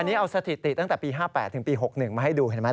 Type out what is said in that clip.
อันนี้เอาสถิติตั้งแต่ปี๕๘ถึงปี๖๑มาให้ดูเห็นไหม